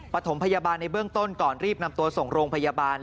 ปฐมพยาบาลในเบื้องต้นก่อนรีบนำตัวส่งโรงพยาบาล